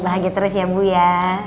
bahagia terus ya bu ya